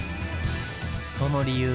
その理由